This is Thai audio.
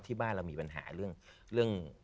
ที่บ้านเรามีปัญหาเรื่อง